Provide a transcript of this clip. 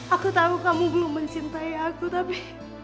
aku tahu kamu belum mencintai aku tapi